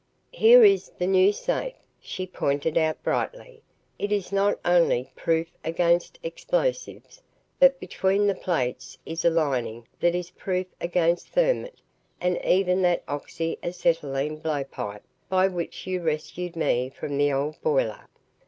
"Here is the new safe," she pointed out brightly. "It is not only proof against explosives, but between the plates is a lining that is proof against thermit and even that oxy acetylene blowpipe by which you rescued me from the old boiler.